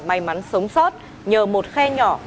may mắn sống sót nhờ một khe nhỏ